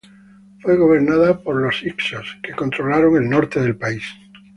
Fue gobernada por los hicsos, que controlaron el norte del país.